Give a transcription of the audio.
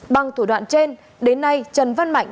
bằng thủ đoạn trên đến nay trần văn mạnh